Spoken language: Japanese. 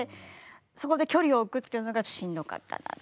そこで距離を置くっていうのがしんどかったなっていうこと。